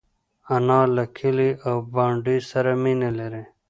انا له کلي او بانډې سره مینه لري